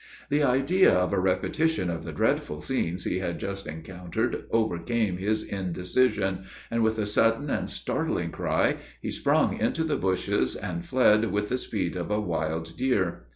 The idea of a repetition of the dreadful scenes he had just encountered, overcame his indecision, and, with a sudden and startling cry, he sprung into the bushes, and fled with the speed of a wild deer.